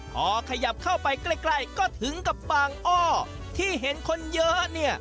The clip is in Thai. พอขยับเข้าไปใกล้ก็ถึงกับบางอ้อที่เห็นคนเยอะเนี่ย